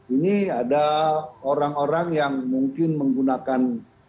ini ada orang orang yang mungkin menggunakan